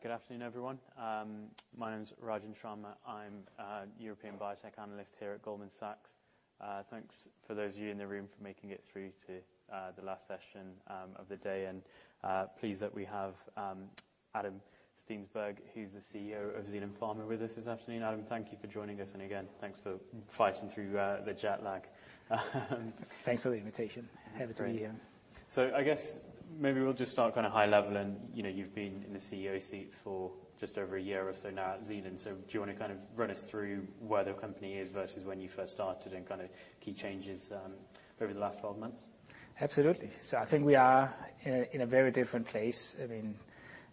Good afternoon, everyone. My name's Rajan Sharma. I'm a European biotech analyst here at Goldman Sachs. Thanks for those of you in the room for making it through to the last session of the day, and pleased that we have Adam Steensberg, who's the CEO of Zealand Pharma, with us this afternoon. Adam, thank you for joining us, and again, thanks for fighting through the jet lag. Thanks for the invitation. Great. Happy to be here. So, I guess maybe we'll just start kind of high level. And, you know, you've been in the CEO seat for just over a year or so now at Zealand. So, do you want to kind of run us through where the company is versus when you first started and kind of key changes over the last 12 months? Absolutely, so I think we are in a very different place. I mean,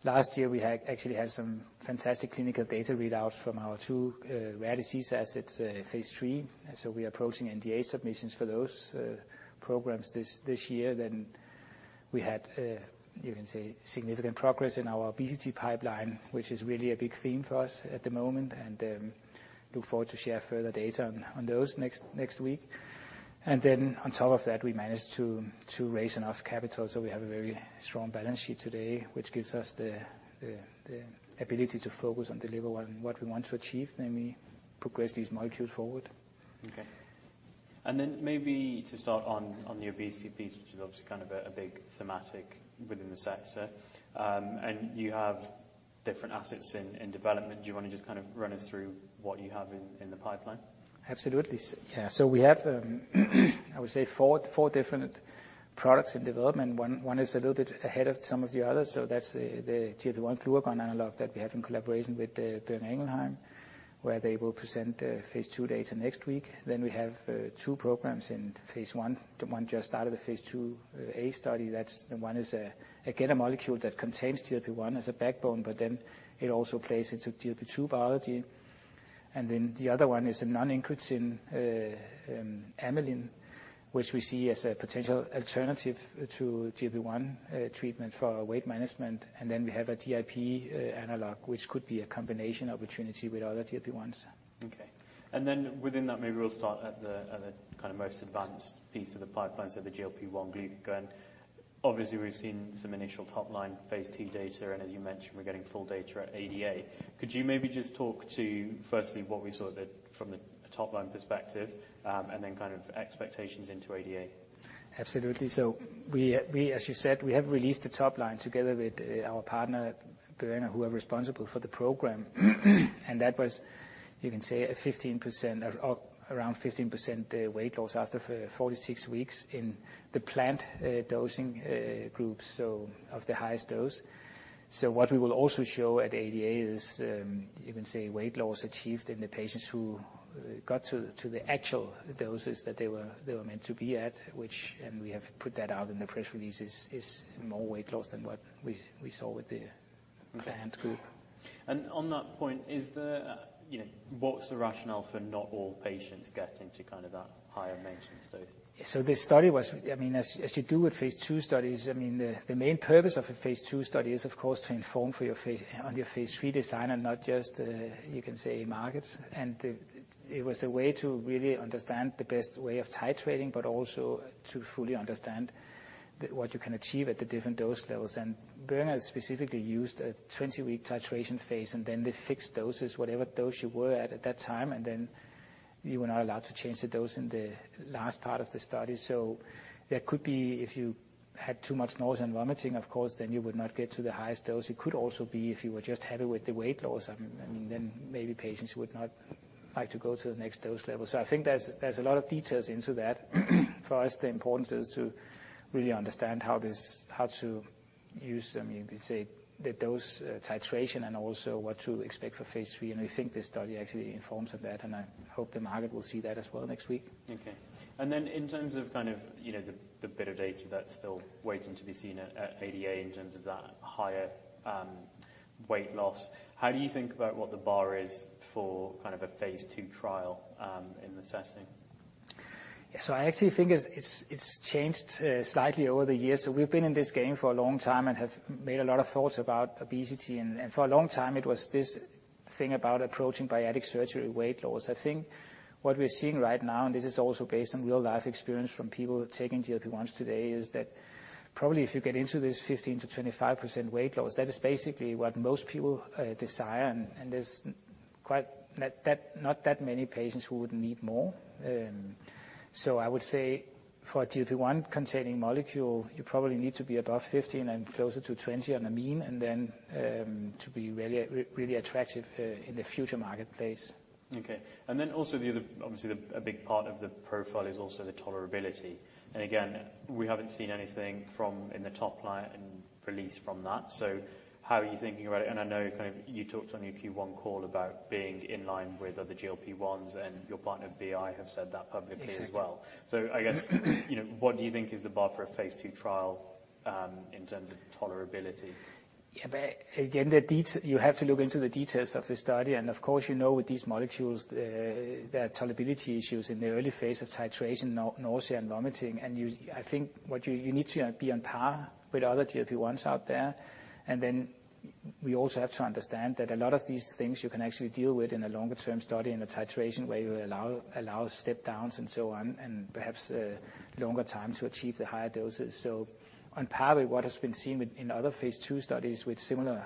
last year we actually had some fantastic clinical data readouts from our two rare disease assets, phase III, so we're approaching NDA submissions for those programs this year, then we had, you can say, significant progress in our obesity pipeline, which is really a big theme for us at the moment, and look forward to share further data on those next week, and then on top of that, we managed to raise enough capital so we have a very strong balance sheet today, which gives us the ability to focus on deliver on what we want to achieve, namely progress these molecules forward. Okay. And then maybe to start on the obesity piece, which is obviously kind of a big thematic within the sector, and you have different assets in development, do you want to just kind of run us through what you have in the pipeline? Absolutely. Yeah. So we have, I would say four different products in development. One is a little bit ahead of some of the others. So that's the GLP-1 glucagon analog that we have in collaboration with Boehringer Ingelheim, where they will present phase II data next week. Then we have two programs in phase 1. The one just started the phase IIa study. That's the one. It's a GLP-2 molecule that contains GLP-1 as a backbone, but then it also plays into GLP-2 biology. And then the other one is a non-incretin amylin, which we see as a potential alternative to GLP-1 treatment for weight management. And then we have a GIP analog, which could be a combination opportunity with other GLP-1s. Okay. And then within that, maybe we'll start at the kind of most advanced piece of the pipeline, so the GLP-1 glucagon. Obviously, we've seen some initial top-line phase II data, and as you mentioned, we're getting full data at ADA. Could you maybe just talk to, firstly, what we saw from the top-line perspective, and then kind of expectations into ADA? Absolutely. So we, as you said, we have released the top line together with our partner, Boehringer, who are responsible for the program. And that was, you can say, a 15% or around 15% weight loss after 46 weeks in the planned dosing group, so of the highest dose. So what we will also show at ADA is, you can say, weight loss achieved in the patients who got to the actual doses that they were meant to be at, which, and we have put that out in the press releases, is more weight loss than what we saw with the planned group. Okay. And on that point, is there, you know, what's the rationale for not all patients getting to kind of that higher maintenance dose? This study was, I mean, as you do with phase II studies. I mean, the main purpose of a phase II study is, of course, to inform for your phase on your phase III design and not just, you can say, markets. It was a way to really understand the best way of titrating, but also to fully understand what you can achieve at the different dose levels. Boehringer has specifically used a 20-week titration phase and then the fixed doses, whatever dose you were at, at that time. Then you were not allowed to change the dose in the last part of the study. There could be, if you had too much nausea and vomiting, of course, then you would not get to the highest dose. It could also be if you were just happy with the weight loss, I mean, then maybe patients would not like to go to the next dose level, so I think there's a lot of details into that. For us, the importance is to really understand how to use, I mean, you could say, the dose titration and also what to expect for phase III, and we think this study actually informs of that, and I hope the market will see that as well next week. Okay. And then in terms of kind of, you know, the better data that's still waiting to be seen at ADA in terms of that higher weight loss, how do you think about what the bar is for kind of a phase II trial in the setting? Yeah. Actually, I think it's changed slightly over the years. We've been in this game for a long time and have made a lot of thoughts about obesity. For a long time, it was this thing about approaching bariatric surgery weight loss. I think what we're seeing right now, and this is also based on real-life experience from people taking GLP-1s today, is that probably if you get into this 15%-25% weight loss, that is basically what most people desire. And there's not that many patients who would need more. I would say for a GLP-1-containing molecule, you probably need to be above 15% and closer to 20% on the mean, and then to be really, really attractive in the future marketplace. Okay. And then also the other, obviously, a big part of the profile is also the tolerability. And again, we haven't seen anything from the top line and release from that. So how are you thinking about it? And I know kind of you talked on your Q1 call about being in line with other GLP-1s, and your partner, BI, have said that publicly as well. Yes. So I guess, you know, what do you think is the bar for a phase II trial, in terms of tolerability? Yeah. But again, the data you have to look into the details of the study. And of course, you know, with these molecules, there are tolerability issues in the early phase of titration, nausea and vomiting. And you, I think what you need to be on par with other GLP-1s out there. And then we also have to understand that a lot of these things you can actually deal with in a longer-term study in a titration where you allow step-downs and so on, and perhaps longer time to achieve the higher doses. So on par with what has been seen with in other phase II studies with similar,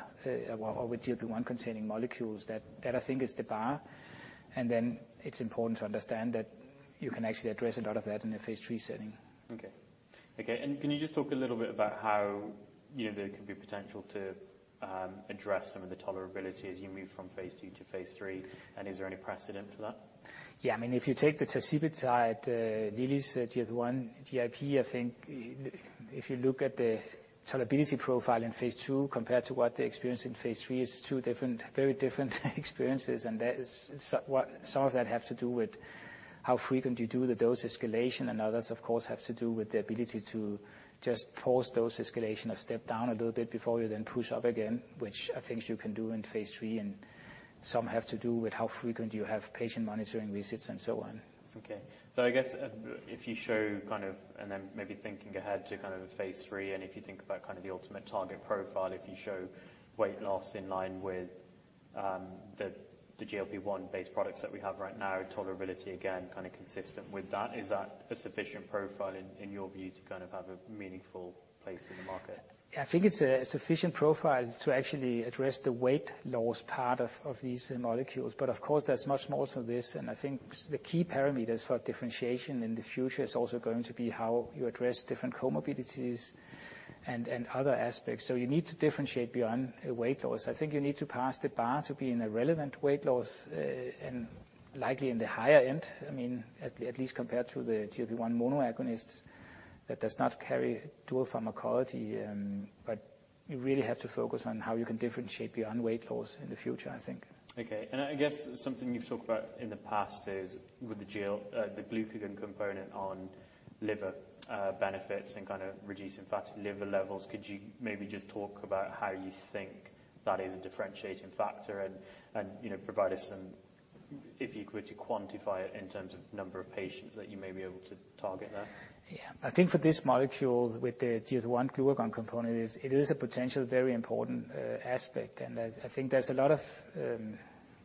or with GLP-1-containing molecules, that I think is the bar. And then it's important to understand that you can actually address a lot of that in a phase III setting. Okay. Okay. And can you just talk a little bit about how, you know, there could be potential to address some of the tolerability as you move from phase II to phase III? And is there any precedent for that? Yeah. I mean, if you take the tolerability, Lilly's GLP-1, GIP, I think, if you look at the tolerability profile in phase II compared to what they experienced in phase III, it's two different, very different experiences. And that is what some of that has to do with how frequent you do the dose escalation. And others, of course, have to do with the ability to just pause dose escalation or step down a little bit before you then push up again, which are things you can do in phase III. And some have to do with how frequent you have patient monitoring visits and so on. Okay. So I guess, if you show kind of, and then maybe thinking ahead to kind of a phase III, and if you think about kind of the ultimate target profile, if you show weight loss in line with the GLP-1-based products that we have right now, tolerability again kind of consistent with that, is that a sufficient profile in your view to kind of have a meaningful place in the market? Yeah. I think it's a sufficient profile to actually address the weight loss part of these molecules. But of course, there's much more to this, and I think the key parameters for differentiation in the future is also going to be how you address different comorbidities and other aspects. So you need to differentiate beyond weight loss. I think you need to pass the bar to be in a relevant weight loss, and likely in the higher end, I mean, at least compared to the GLP-1 monoagonists that does not carry dual pharmacology, but you really have to focus on how you can differentiate beyond weight loss in the future, I think. Okay. And I guess something you've talked about in the past is with the GLP, the glucagon component on liver, benefits and kind of reducing fatty liver levels. Could you maybe just talk about how you think that is a differentiating factor and, you know, provide us some, if you could, to quantify it in terms of number of patients that you may be able to target there? Yeah. I think for this molecule with the GLP-1 glucagon component, it is a potential very important aspect. And I think there's a lot of,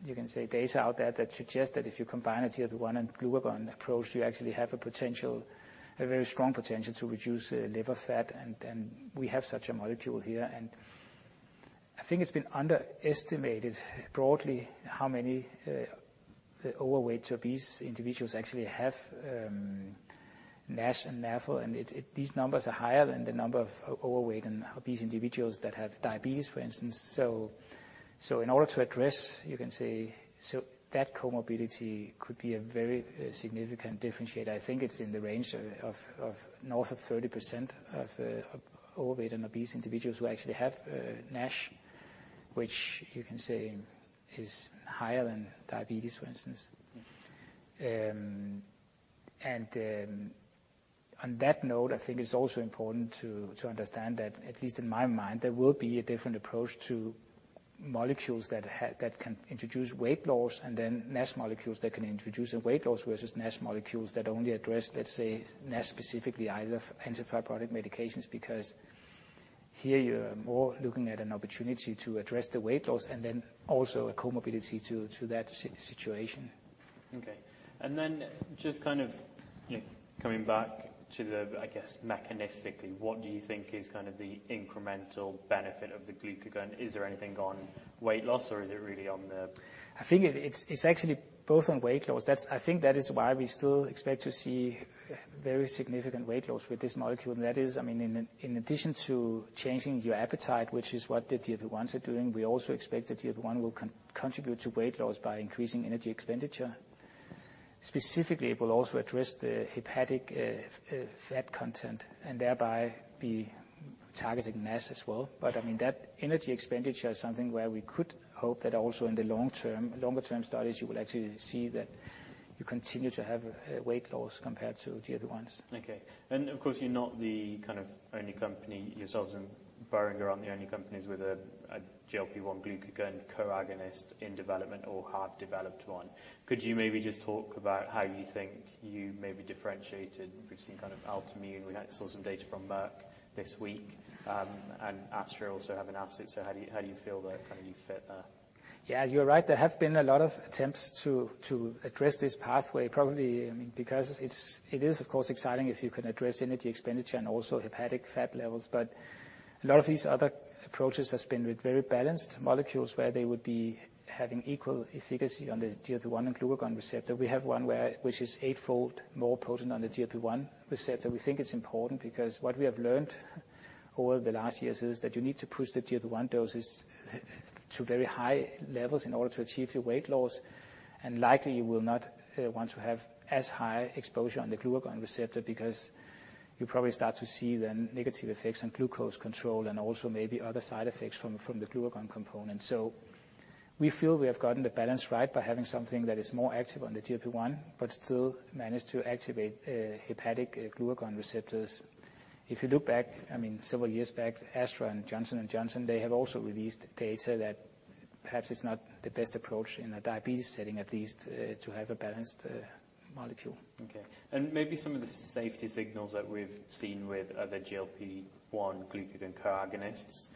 you can say, data out there that suggests that if you combine a GLP-1 and glucagon approach, you actually have a potential, a very strong potential to reduce liver fat. And we have such a molecule here. And I think it's been underestimated broadly how many overweight obese individuals actually have NASH and NAFLD. And these numbers are higher than the number of overweight and obese individuals that have diabetes, for instance. So in order to address, you can say, so that comorbidity could be a very significant differentiator. I think it's in the range of north of 30% of overweight and obese individuals who actually have NASH, which you can say is higher than diabetes, for instance. Okay. And, on that note, I think it's also important to understand that, at least in my mind, there will be a different approach to molecules that can introduce weight loss and then NASH molecules that can introduce the weight loss versus NASH molecules that only address, let's say, NASH specifically, either anti-fibrotic medications, because here you're more looking at an opportunity to address the weight loss and then also a comorbidity to that situation. Okay. And then just kind of, you know, coming back to the, I guess, mechanistically, what do you think is kind of the incremental benefit of the glucagon? Is there anything on weight loss, or is it really on the? I think it's actually both on weight loss. That's, I think, that is why we still expect to see very significant weight loss with this molecule. And that is, I mean, in addition to changing your appetite, which is what the GLP-1s are doing, we also expect that GLP-1 will contribute to weight loss by increasing energy expenditure. Specifically, it will also address the hepatic fat content and thereby be targeting NASH as well. But I mean, that energy expenditure is something where we could hope that also in the longer-term studies, you will actually see that you continue to have a weight loss compared to GLP-1s. Okay, and of course, you're not the kind of only company yourselves and Boehringer and Zealand are the only companies with a GLP-1 glucagon co-agonist in development or have developed one. Could you maybe just talk about how you think you maybe differentiated between kind of Altimmune? We saw some data from Merck this week, and Astra also have an asset. So how do you, how do you feel that kind of you fit there? Yeah. You're right. There have been a lot of attempts to address this pathway, probably, I mean, because it is, of course, exciting if you can address energy expenditure and also hepatic fat levels. But a lot of these other approaches have been with very balanced molecules where they would be having equal efficacy on the GLP-1 and glucagon receptor. We have one which is eightfold more potent on the GLP-1 receptor. We think it's important because what we have learned over the last years is that you need to push the GLP-1 doses to very high levels in order to achieve your weight loss. And likely, you will not want to have as high exposure on the glucagon receptor because you probably start to see then negative effects on glucose control and also maybe other side effects from the glucagon component. We feel we have gotten the balance right by having something that is more active on the GLP-1 but still managed to activate hepatic glucagon receptors. If you look back, I mean, several years back, AstraZeneca and Johnson & Johnson, they have also released data that perhaps it's not the best approach in a diabetes setting, at least, to have a balanced molecule. Okay. And maybe some of the safety signals that we've seen with other GLP-1 glucagon co-agonists,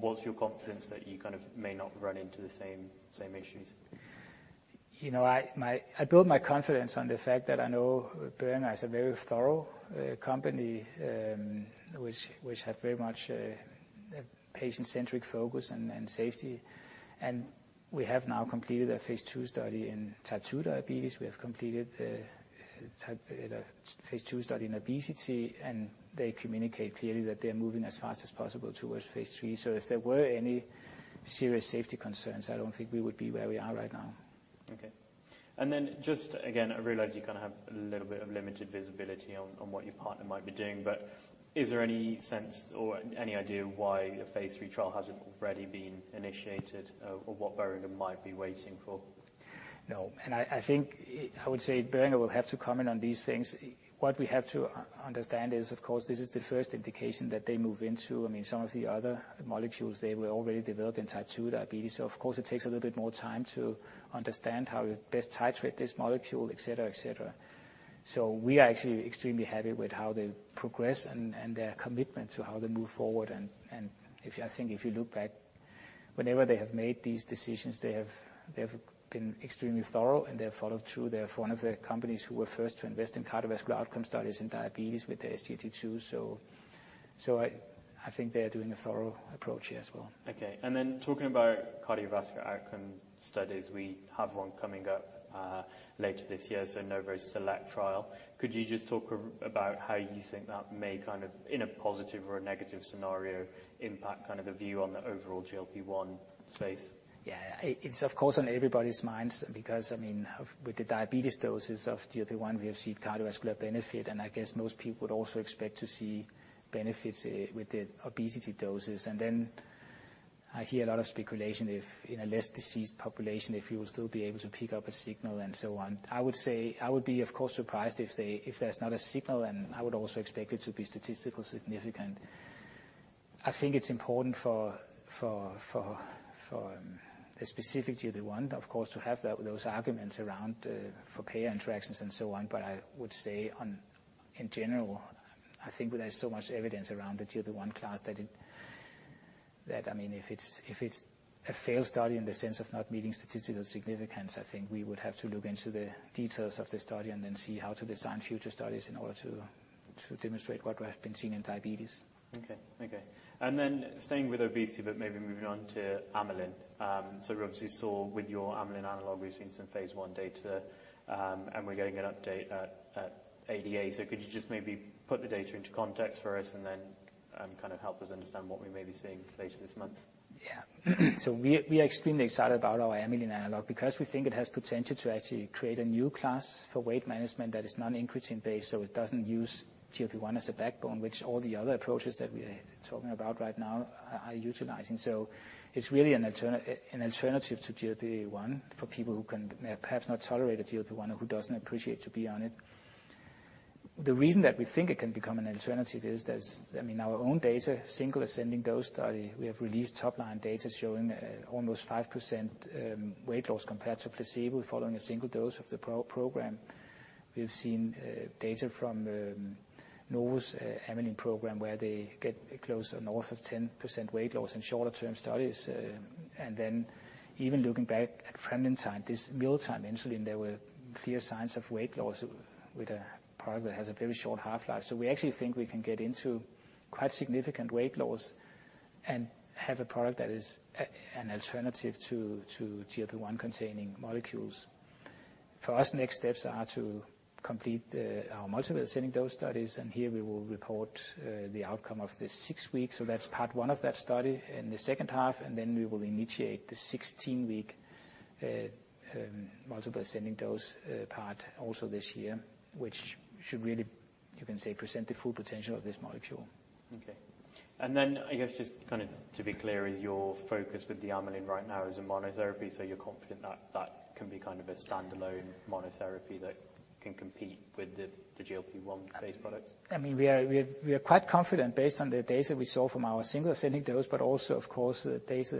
what's your confidence that you kind of may not run into the same, same issues? You know, I build my confidence on the fact that I know Boehringer as a very thorough company, which have very much patient-centric focus and safety. We have now completed a phase II study in type 2 diabetes. We have completed a phase II study in obesity. They communicate clearly that they're moving as fast as possible towards phase III. So if there were any serious safety concerns, I don't think we would be where we are right now. Okay. And then just again, I realize you kind of have a little bit of limited visibility on what your partner might be doing. But is there any sense or any idea why a phase III trial hasn't already been initiated, or what Boehringer might be waiting for? No. And I, I think, I would say Boehringer will have to comment on these things. What we have to understand is, of course, this is the first indication that they move into. I mean, some of the other molecules, they were already developed in type 2 diabetes. So of course, it takes a little bit more time to understand how to best titrate this molecule, etc., etc. So we are actually extremely happy with how they progress and, and their commitment to how they move forward. And, and if you, I think if you look back, whenever they have made these decisions, they have, they have been extremely thorough, and they have followed through. They're one of the companies who were first to invest in cardiovascular outcome studies in diabetes with the SGLT2. So, so I, I think they are doing a thorough approach here as well. Okay, and then talking about cardiovascular outcome studies, we have one coming up later this year, so the Novo SELECT trial. Could you just talk about how you think that may kind of, in a positive or negative scenario, impact kind of the view on the overall GLP-1 space? Yeah. It's, of course, on everybody's minds because, I mean, with the diabetes doses of GLP-1, we have seen cardiovascular benefit. And I guess most people would also expect to see benefits, with the obesity doses. And then I hear a lot of speculation if in a less diseased population, if you will still be able to pick up a signal and so on. I would say I would be, of course, surprised if they, if there's not a signal, and I would also expect it to be statistically significant. I think it's important for the specific GLP-1, of course, to have those arguments around, for payer interactions and so on. But I would say, in general, I think there's so much evidence around the GLP-1 class that it, I mean, if it's a failed study in the sense of not meeting statistical significance, I think we would have to look into the details of the study and then see how to design future studies in order to demonstrate what has been seen in diabetes. Okay. Okay. And then, staying with obesity but maybe moving on to amylin. So we obviously saw with your amylin analog. We've seen some phase I data, and we're getting an update at ADA. So could you just maybe put the data into context for us and then kind of help us understand what we may be seeing later this month? Yeah. We are extremely excited about our amylin analog because we think it has potential to actually create a new class for weight management that is non-incretin based. It doesn't use GLP-1 as a backbone, which all the other approaches that we are talking about right now are utilizing. It's really an alternative to GLP-1 for people who can perhaps not tolerate a GLP-1 or who doesn't appreciate to be on it. The reason that we think it can become an alternative is I mean, our own data single ascending dose study. We have released top-line data showing almost 5% weight loss compared to placebo following a single dose of the compound. We've seen data from Novo's amylin program where they get close to north of 10% weight loss in shorter-term studies. Then even looking back at pramlintide, this mealtime insulin, there were clear signs of weight loss with a product that has a very short half-life. So we actually think we can get into quite significant weight loss and have a product that is an alternative to GLP-1-containing molecules. For us, next steps are to complete our multiple ascending dose studies. Here we will report the outcome of the six weeks. So that's part one of that study in the second half. Then we will initiate the 16-week multiple ascending dose part also this year, which should really, you can say, present the full potential of this molecule. Okay. And then I guess just kind of to be clear, is your focus with the amylin right now is a monotherapy? So you're confident that that can be kind of a standalone monotherapy that can compete with the, the GLP-1-based products? I mean, we are quite confident based on the data we saw from our single ascending dose, but also, of course, the data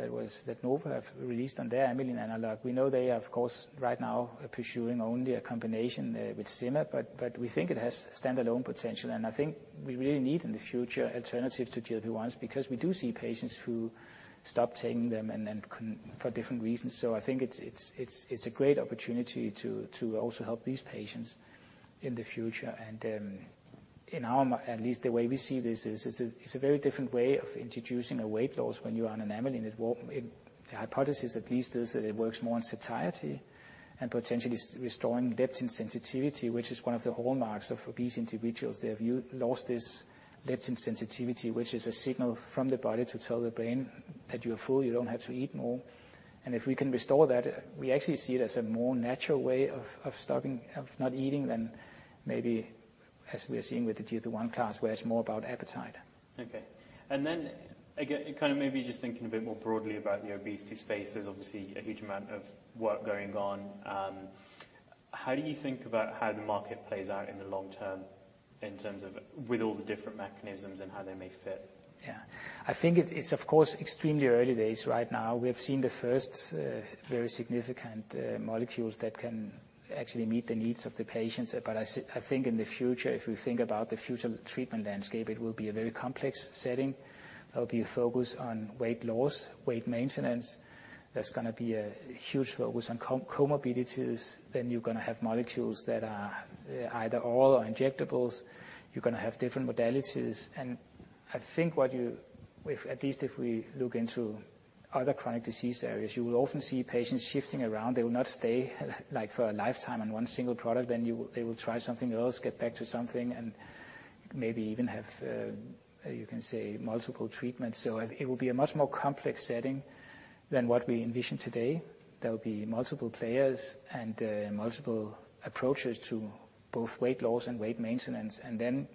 that Novo have released on their amylin analog. We know they are, of course, right now, pursuing only a combination with sema, but we think it has standalone potential. I think we really need in the future alternatives to GLP-1s because we do see patients who stop taking them and couldn't for different reasons. So I think it's a great opportunity to also help these patients in the future. And in our mind at least the way we see this is a very different way of introducing a weight loss when you're on an amylin. The hypothesis at least is that it works more on satiety and potentially restoring leptin sensitivity, which is one of the hallmarks of obese individuals. They have lost this leptin sensitivity, which is a signal from the body to tell the brain that you're full, you don't have to eat more, and if we can restore that, we actually see it as a more natural way of stopping not eating than maybe as we are seeing with the GLP-1 class, where it's more about appetite. Okay. And then again, kind of maybe just thinking a bit more broadly about the obesity space, there's obviously a huge amount of work going on. How do you think about how the market plays out in the long term in terms of with all the different mechanisms and how they may fit? Yeah. I think it's, of course, extremely early days right now. We have seen the first, very significant, molecules that can actually meet the needs of the patients. But I think in the future, if we think about the future treatment landscape, it will be a very complex setting. There'll be a focus on weight loss, weight maintenance. There's gonna be a huge focus on co-morbidities. Then you're gonna have molecules that are, either oral or injectables. You're gonna have different modalities. And I think what you, if at least if we look into other chronic disease areas, you will often see patients shifting around. They will not stay, like, for a lifetime on one single product. Then you will, they will try something else, get back to something, and maybe even have, you can say, multiple treatments. So it will be a much more complex setting than what we envision today. There'll be multiple players and multiple approaches to both weight loss and weight maintenance. And then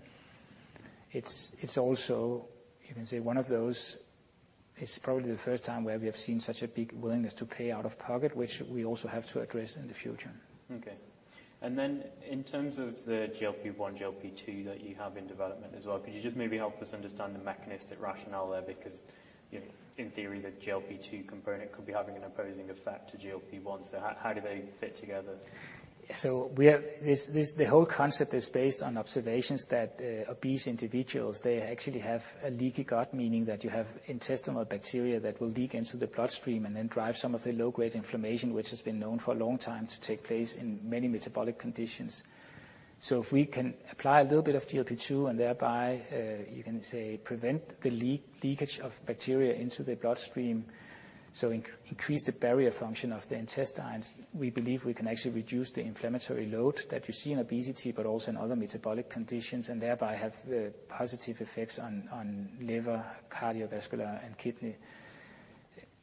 it's also, you can say, one of those. It's probably the first time where we have seen such a big willingness to pay out of pocket, which we also have to address in the future. Okay. And then in terms of the GLP-1, GLP-2 that you have in development as well, could you just maybe help us understand the mechanistic rationale there? Because, you know, in theory, the GLP-2 component could be having an opposing effect to GLP-1. So how do they fit together? So we have this. The whole concept is based on observations that obese individuals they actually have a leaky gut, meaning that you have intestinal bacteria that will leak into the bloodstream and then drive some of the low-grade inflammation, which has been known for a long time to take place in many metabolic conditions. If we can apply a little bit of GLP-2 and thereby you can say prevent the leakage of bacteria into the bloodstream, so increase the barrier function of the intestines, we believe we can actually reduce the inflammatory load that you see in obesity but also in other metabolic conditions and thereby have positive effects on liver, cardiovascular, and kidney.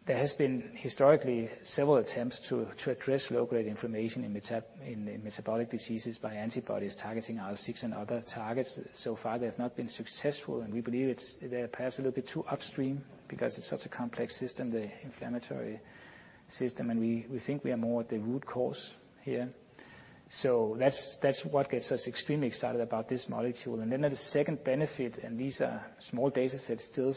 There has been historically several attempts to address low-grade inflammation in metabolic diseases by antibodies targeting IL-6 and other targets. So far, they have not been successful. And we believe it's, they're perhaps a little bit too upstream because it's such a complex system, the inflammatory system. We think we are more at the root cause here. That's what gets us extremely excited about this molecule. And then the second benefit, and these are small data sets still,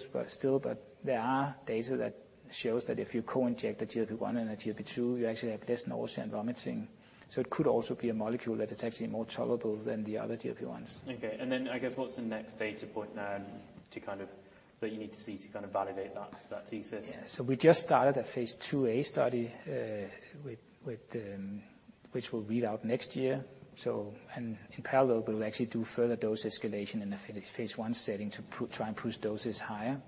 but there are data that shows that if you co-inject a GLP-1 and a GLP-2, you actually have less nausea and vomiting. So it could also be a molecule that is actually more tolerable than the other GLP-1s. Okay, and then I guess what's the next data point that you need to see to kind of validate that thesis? Yeah. We just started a phase IIa study with which we'll read out next year. In parallel, we'll actually do further dose escalation in the phase 1 setting to try and push doses higher.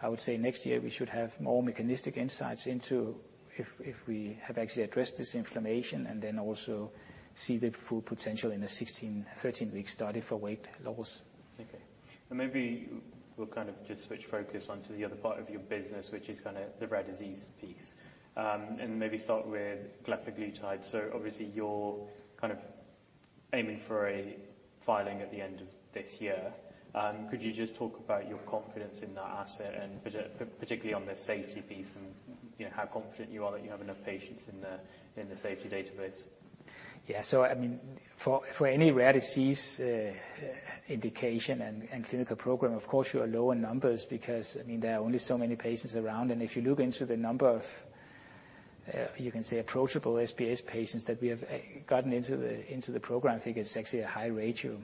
I would say next year we should have more mechanistic insights into if we have actually addressed this inflammation and then also see the full potential in a 16- or 13-week study for weight loss. Okay, and maybe we'll kind of just switch focus onto the other part of your business, which is kind of the rare disease piece, and maybe start with glepaglutide. So, obviously, you're kind of aiming for a filing at the end of this year. Could you just talk about your confidence in that asset and particularly on the safety piece and, you know, how confident you are that you have enough patients in the safety database? Yeah. So I mean, for any rare disease indication and clinical program, of course, you are low in numbers because, I mean, there are only so many patients around. And if you look into the number of, you can say, approachable SBS patients that we have gotten into the program, I think it's actually a high ratio.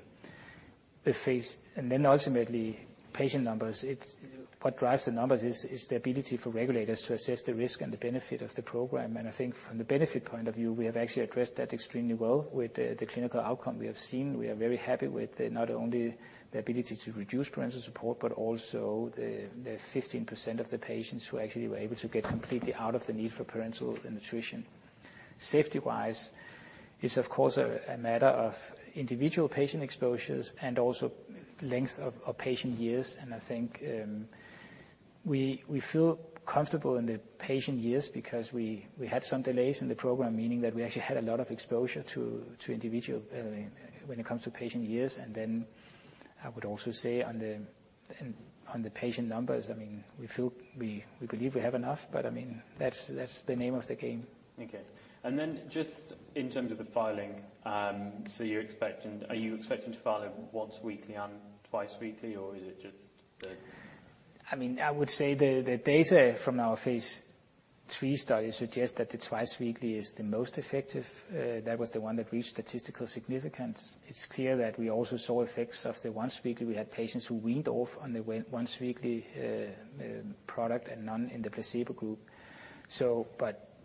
The phase and then ultimately patient numbers, it's what drives the numbers is the ability for regulators to assess the risk and the benefit of the program. And I think from the benefit point of view, we have actually addressed that extremely well with the clinical outcome we have seen. We are very happy with not only the ability to reduce parenteral support but also the 15% of the patients who actually were able to get completely out of the need for parenteral nutrition. Safety-wise, it's, of course, a matter of individual patient exposures and also length of patient years. And I think we feel comfortable in the patient years because we had some delays in the program, meaning that we actually had a lot of exposure to individual when it comes to patient years. And then I would also say on the patient numbers. I mean, we feel we believe we have enough. But I mean, that's the name of the game. Okay. And then just in terms of the filing, so you're expecting to file it once weekly and twice weekly, or is it just the? I mean, I would say the data from our phase III study suggests that the twice weekly is the most effective. That was the one that reached statistical significance. It's clear that we also saw effects of the once weekly. We had patients who weaned off on the once weekly product and none in the placebo group.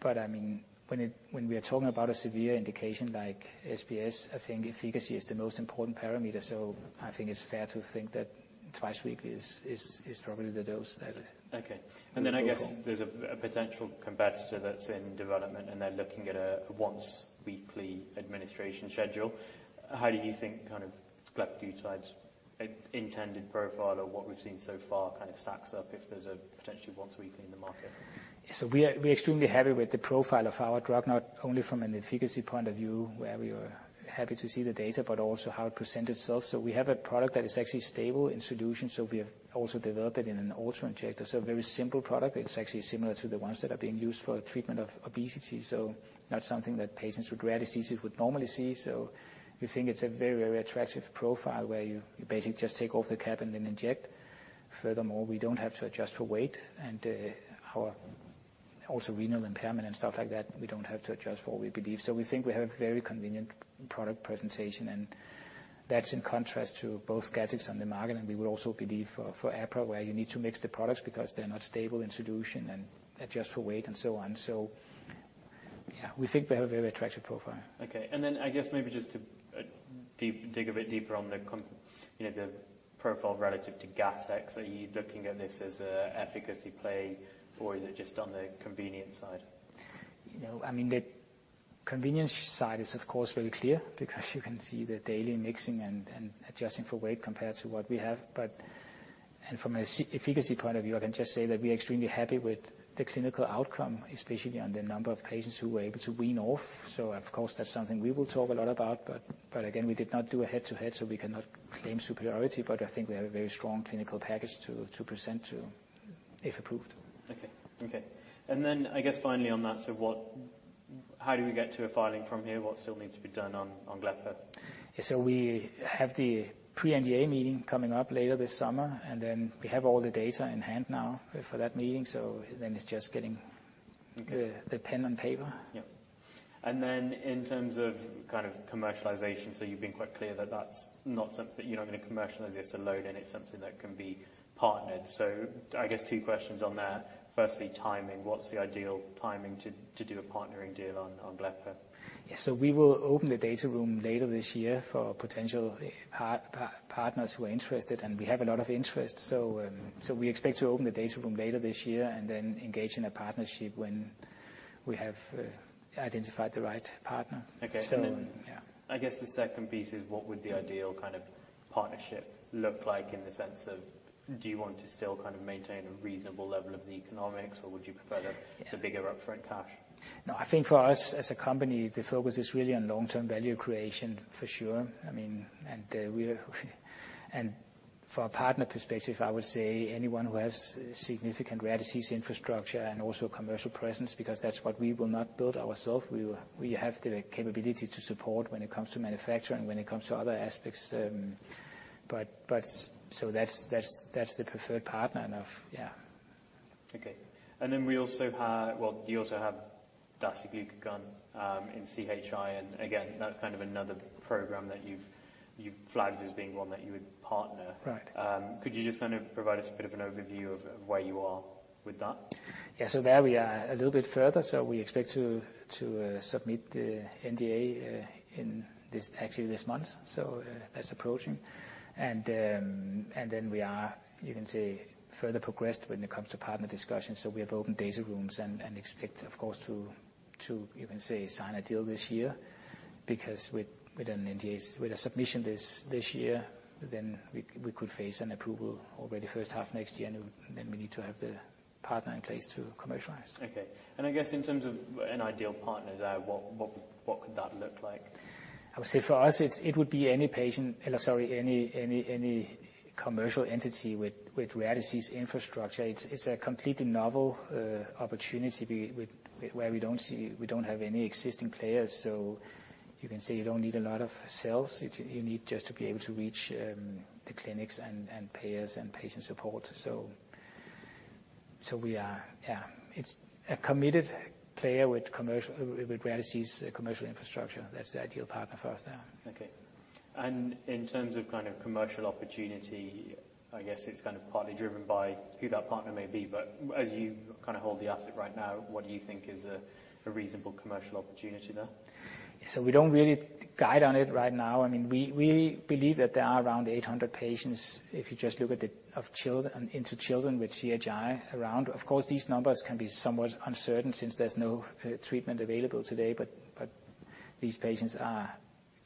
But I mean, when we are talking about a severe indication like SBS, I think efficacy is the most important parameter. So I think it's fair to think that twice weekly is probably the dose that. Okay. And then I guess there's a potential competitor that's in development, and they're looking at a once-weekly administration schedule. How do you think kind of glepaglutide's intended profile or what we've seen so far kind of stacks up if there's a potentially once-weekly in the market? Yeah, so we are extremely happy with the profile of our drug, not only from an efficacy point of view, where we are happy to see the data, but also how it presents itself. We have a product that is actually stable in solution. We have also developed it in an autoinjector. It is a very simple product. It is actually similar to the ones that are being used for treatment of obesity. It is not something that patients with rare diseases would normally see. We think it is a very, very attractive profile where you basically just take off the cap and then inject. Furthermore, we do not have to adjust for weight. And also our renal impairment and stuff like that, we do not have to adjust for, we believe. We think we have a very convenient product presentation. And that's in contrast to both Gattex on the market. And we would also believe for apraglutide, where you need to mix the products because they're not stable in solution and adjust for weight and so on. So yeah, we think we have a very attractive profile. Okay. And then I guess maybe just to dig a bit deeper on the context, you know, the profile relative to Gattex, are you looking at this as an efficacy play, or is it just on the convenience side? You know, I mean, the convenience side is, of course, very clear because you can see the daily mixing and, and adjusting for weight compared to what we have. But, and from an efficacy point of view, I can just say that we are extremely happy with the clinical outcome, especially on the number of patients who were able to wean off. So of course, that's something we will talk a lot about. But, but again, we did not do a head-to-head, so we cannot claim superiority. But I think we have a very strong clinical package to, to present to if approved. Okay. And then I guess finally on that, so how do we get to a filing from here? What still needs to be done on glepaglutide? Yeah. So we have the pre-NDA meeting coming up later this summer. And then we have all the data in hand now for that meeting. So then it's just getting. Okay. The pen and paper. Yep. And then in terms of kind of commercialization, so you've been quite clear that that's not something that you're not gonna commercialize this alone, and it's something that can be partnered. So I guess two questions on that. Firstly, timing. What's the ideal timing to do a partnering deal on glepaglutide? Yeah, so we will open the data room later this year for potential partners who are interested, and we have a lot of interest, so we expect to open the data room later this year and then engage in a partnership when we have identified the right partner. Okay. And then I guess the second piece is what would the ideal kind of partnership look like in the sense of do you want to still kind of maintain a reasonable level of the economics, or would you prefer the? Yeah. The bigger upfront cash? No. I think for us as a company, the focus is really on long-term value creation for sure. I mean, and from a partner perspective, I would say anyone who has significant rare disease infrastructure and also commercial presence because that's what we will not build ourself. We have the capability to support when it comes to manufacturing, when it comes to other aspects. But so that's the preferred partner enough. Yeah. Okay. And then we also have well, you also have dasiglucagon in CHI. And again, that's kind of another program that you've flagged as being one that you would partner. Right. Could you just kind of provide us a bit of an overview of, of where you are with that? Yeah. So there we are a little bit further. So we expect to submit the NDA in this, actually, this month. So, that's approaching. And then we are, you can say, further progressed when it comes to partner discussions. So we have open data rooms and expect, of course, to, you can say, sign a deal this year because with an NDA submission this year, then we could face an approval already first half next year. And then we need to have the partner in place to commercialize. Okay. And I guess in terms of an ideal partner there, what could that look like? I would say for us, it would be any commercial entity with rare disease infrastructure. It's a completely novel opportunity with where we don't see any existing players. So you can say you don't need a lot of sales. You need just to be able to reach the clinics and payers and patient support. So we are yeah. It's a committed player with rare disease commercial infrastructure. That's the ideal partner for us there. Okay. And in terms of kind of commercial opportunity, I guess it's kind of partly driven by who that partner may be. But as you kind of hold the asset right now, what do you think is a reasonable commercial opportunity there? Yeah. So we don't really guide on it right now. I mean, we believe that there are around 800 patients if you just look at the number of children with CHI around. Of course, these numbers can be somewhat uncertain since there's no treatment available today. But these patients are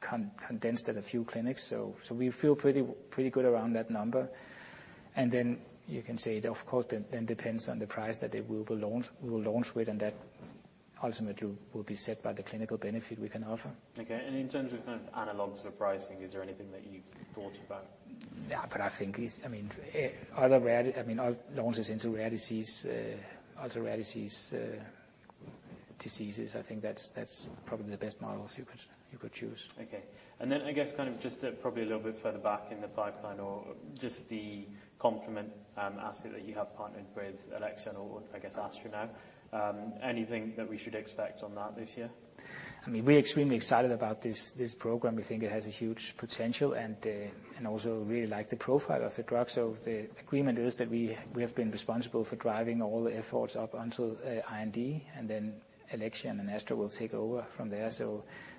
concentrated at a few clinics. So we feel pretty good around that number. And then you can say, of course, it then depends on the price that they will launch with. And that ultimately will be set by the clinical benefit we can offer. Okay, and in terms of kind of analogs for pricing, is there anything that you've thought about? Yeah. But I think it's, I mean, other rare diseases. I mean, all launches into rare disease. I think that's probably the best models you could choose. Okay. And then I guess kind of just, probably a little bit further back in the pipeline or just the complement, asset that you have partnered with Alexion or, or I guess AstraZeneca now, anything that we should expect on that this year? I mean, we're extremely excited about this program. We think it has a huge potential and also really like the profile of the drug. The agreement is that we have been responsible for driving all the efforts up until IND. Then Alexion and AstraZeneca will take over from there.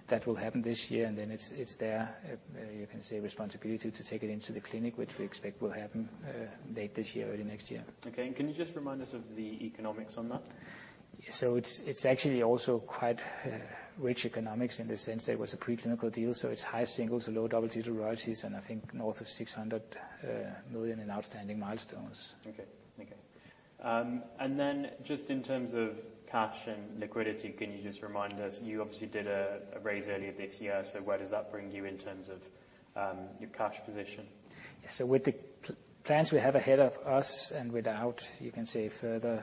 That will happen this year. Then it's their, you can say, responsibility to take it into the clinic, which we expect will happen late this year, early next year. Okay. And can you just remind us of the economics on that? Yeah. So it's actually also quite rich economics in the sense there was a preclinical deal. So it's high single-digit, low double-digit royalties, and I think north of $600 million in outstanding milestones. Okay. Okay. And then, just in terms of cash and liquidity, can you just remind us you obviously did a raise earlier this year? So where does that bring you in terms of your cash position? Yeah. So with the plans we have ahead of us and without, you can say, further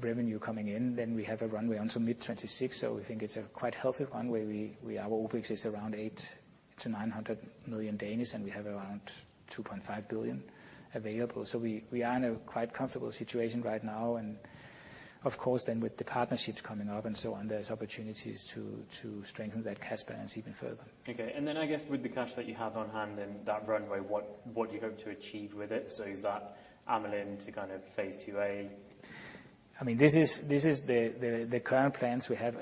revenue coming in, then we have a runway until mid-2026. So we think it's a quite healthy runway. Our OpEx is around 800 million-900 million, and we have around 2.5 billion available. So we are in a quite comfortable situation right now, and of course, then with the partnerships coming up and so on, there's opportunities to strengthen that cash balance even further. Okay. And then I guess with the cash that you have on hand and that runway, what do you hope to achieve with it? So is that aiming to kind of phase IIa? I mean, this is the current plans we have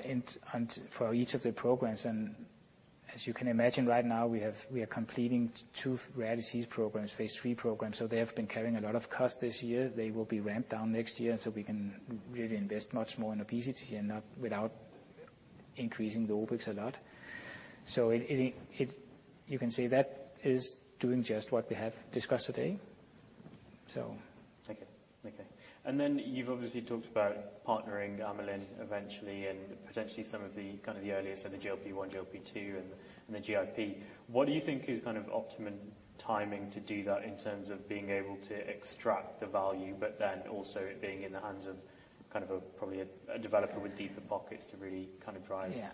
on for each of the programs. And as you can imagine right now, we are completing two rare disease programs, phase III programs. So they have been carrying a lot of cost this year. They will be ramped down next year. And so we can really invest much more in obesity and not without increasing the OPEX a lot. So it you can say that is doing just what we have discussed today, so. Okay. Okay. And then you've obviously talked about partnering amylin eventually and potentially some of the kind of the earliest, so the GLP-1, GLP-2, and the GIP. What do you think is kind of optimum timing to do that in terms of being able to extract the value but then also it being in the hands of kind of a probably a developer with deeper pockets to really kind of drive? Yeah.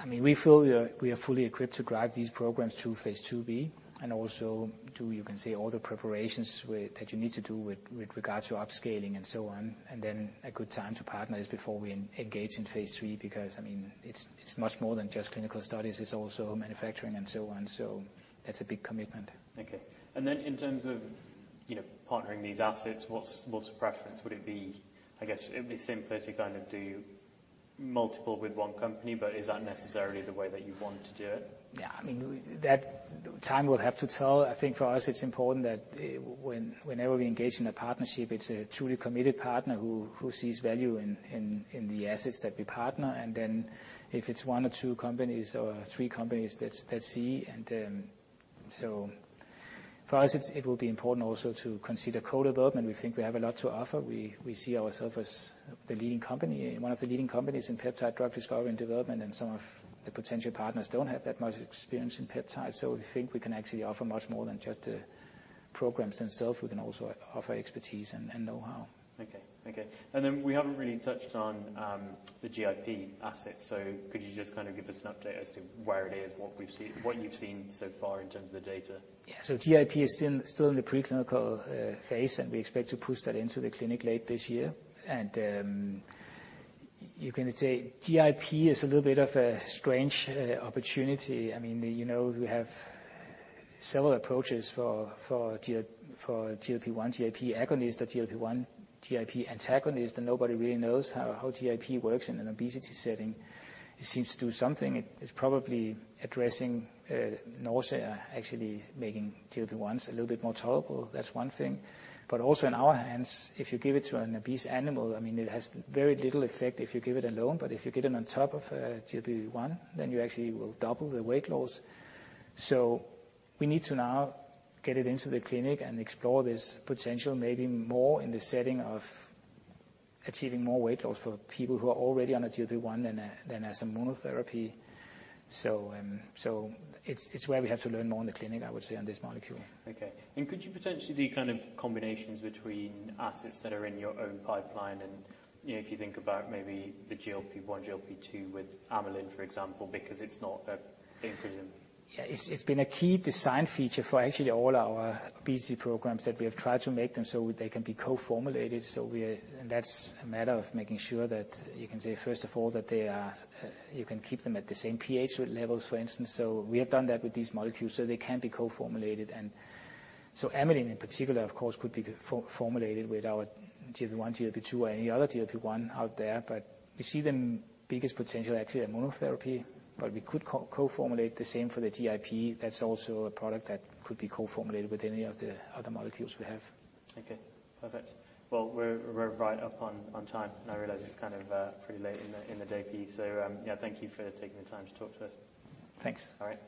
I mean, we feel we are fully equipped to drive these programs through phase IIb and also do, you can say, all the preparations with that you need to do with regards to upscaling and so on. And then a good time to partner is before we engage in phase III because, I mean, it's much more than just clinical studies. It's also manufacturing and so on. So that's a big commitment. Okay. And then, in terms of, you know, partnering these assets, what's the preference? Would it be, I guess, it'd be simpler to kind of do multiple with one company, but is that necessarily the way that you want to do it? Yeah. I mean, time will have to tell. I think for us it's important that whenever we engage in a partnership it's a truly committed partner who sees value in the assets that we partner, and then if it's one or two companies or three companies that see, and so for us it will be important also to consider co-development. We think we have a lot to offer. We see ourselves as the leading company, one of the leading companies in peptide drug discovery and development, and some of the potential partners don't have that much experience in peptides, so we think we can actually offer much more than just the programs themselves. We can also offer expertise and know-how. Okay. And then we haven't really touched on the GIP asset. So could you just kind of give us an update as to where it is, what we've seen, what you've seen so far in terms of the data? Yeah. GIP is still in the preclinical phase. We expect to push that into the clinic late this year. You can say GIP is a little bit of a strange opportunity. I mean, you know, we have several approaches for GIP for GLP-1 GIP agonist or GLP-1 GIP antagonist. Nobody really knows how GIP works in an obesity setting. It seems to do something. It's probably addressing nausea, actually making GLP-1s a little bit more tolerable. That's one thing. Also in our hands, if you give it to an obese animal, I mean, it has very little effect if you give it alone. But if you get it on top of a GLP-1, then you actually will double the weight loss. So we need to now get it into the clinic and explore this potential maybe more in the setting of achieving more weight loss for people who are already on a GLP-1 than as a monotherapy. So it's where we have to learn more in the clinic, I would say, on this molecule. Okay. And could you potentially do kind of combinations between assets that are in your own pipeline and, you know, if you think about maybe the GLP-1, GLP-2 with amylin, for example, because it's not a inclusion? Yeah. It's been a key design feature for actually all our obesity programs that we have tried to make them so they can be co-formulated. So we are and that's a matter of making sure that, first of all, you can keep them at the same pH levels, for instance. So we have done that with these molecules so they can be co-formulated. And so amylin in particular, of course, could be co-formulated with our GLP-1, GLP-2, or any other GLP-1 out there. But we see the biggest potential actually at monotherapy. But we could co-formulate the same for the GIP. That's also a product that could be co-formulated with any of the other molecules we have. Okay. Perfect. Well, we're right up on time, and I realize it's kind of pretty late in the day, please. So, yeah, thank you for taking the time to talk to us. Thanks. All right.